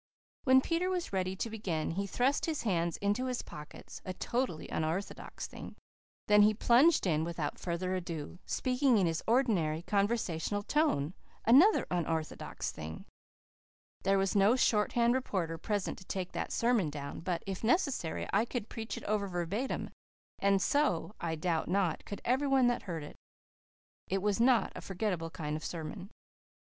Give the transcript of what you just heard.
When Peter was ready to begin he thrust his hands into his pockets a totally unorthodox thing. Then he plunged in without further ado, speaking in his ordinary conversational tone another unorthodox thing. There was no shorthand reporter present to take that sermon down; but, if necessary, I could preach it over verbatim, and so, I doubt not, could everyone that heard it. It was not a forgettable kind of sermon.